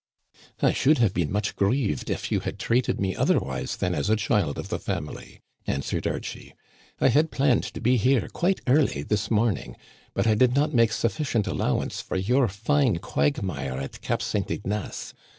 " I should have been much grieved if you had treat ed me otherwise than as a child of the family," answered Archie. " I had planned to be here quite early this morning, but I did not make sufficient allowance for your fine quagmire at Cap St. Ignace.